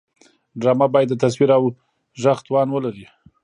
ډرامه باید د تصویر او غږ توازن ولري